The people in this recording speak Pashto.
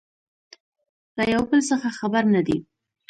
له يو بل څخه خبر نه دي